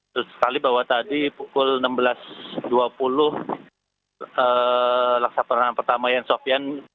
terus sekali bahwa tadi pukul enam belas dua puluh laksa peranan pertama yang sopian